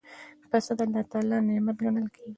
پسه د الله نعمت ګڼل کېږي.